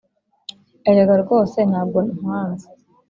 erega rwose ntabwo nkwanze ,